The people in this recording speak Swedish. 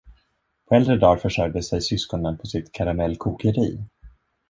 På äldre dar försörjde sig syskonen på sitt karamellkokeri.